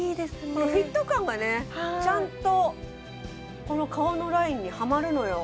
このフィット感がねちゃんとこの顔のラインにはまるのよ